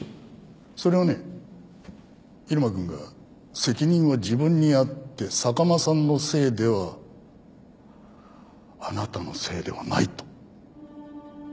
それをね入間君が責任は自分にあって坂間さんのせいではあなたのせいではないと。